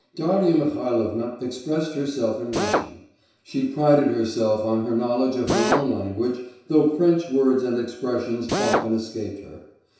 Darya Mihailovna expressed herself in Russian. She prided herself on her knowledge of her own language, though French words and expressions often escaped her.